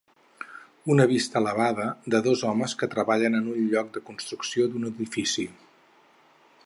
Una vista elevada de dos homes que treballen en un lloc de construcció d'un edifici.